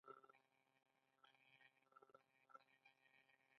د پايلونیفریټس د ګردو پیالې سوزش دی.